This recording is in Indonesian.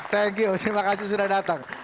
thank you terima kasih sudah datang